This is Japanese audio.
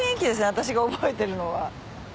私が覚えてるのは。